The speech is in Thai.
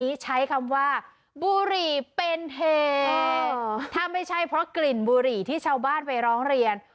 ใช้คำว่าบุหรี่เป็นเหยถ้าไม่ใช่เพราะกลิ่นบุหรี่ที่ชาวบ้านไปร้องเรียน